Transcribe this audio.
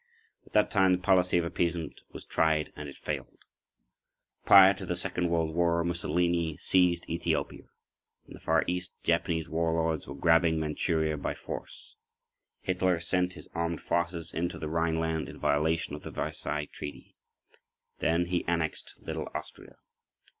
At that time the policy of appeasement was tried, and it failed. Prior to the Second World War Mussolini seized Ethiopia. In the Far East Japanese warlords were grabbing Manchuria by force. Hitler sent his armed forces into the Rhineland in violation of the Versailles Treaty. Then he annexed little Austria.